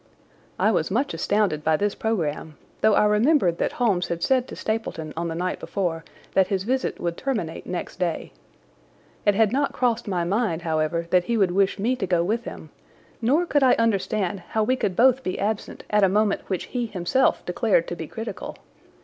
I was much astounded by this programme, though I remembered that Holmes had said to Stapleton on the night before that his visit would terminate next day. It had not crossed my mind however, that he would wish me to go with him, nor could I understand how we could both be absent at a moment which he himself declared to be critical.